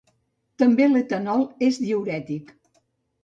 També l'etanol és diürètic.